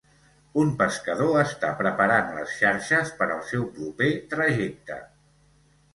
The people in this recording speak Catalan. Un pescador està preparant les xarxes per al seu proper trajecte.